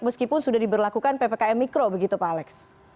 meskipun sudah diberlakukan ppkm mikro begitu pak alex